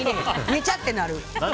ねちゃってなる！